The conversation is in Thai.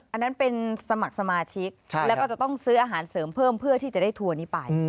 อันนั้นเป็นสมัครสมาชิกแล้วก็จะต้องซื้ออาหารเสริมเพิ่มเพื่อที่จะได้ทัวร์นี้ไป